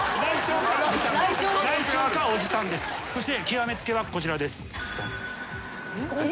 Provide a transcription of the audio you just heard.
そして極め付きはこちらです。